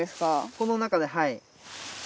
この中ではい。